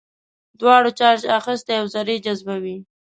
دواړو چارج اخیستی او ذرې جذبوي.